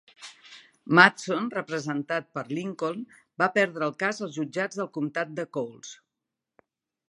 Matson, representat per Lincoln, va perdre el cas als jutjats del comtat de Coles.